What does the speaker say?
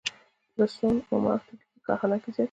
د سون اومه توکي په کارخانه کې زیات شي